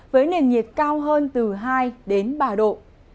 với nền nhiệt cao hơn từ hai đến ba độ